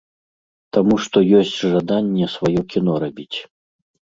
Таму што ёсць жаданне сваё кіно рабіць.